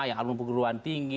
yang alumni pegeruan tinggi